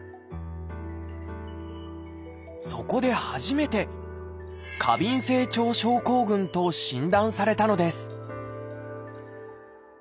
そこで初めて「過敏性腸症候群」と診断されたのです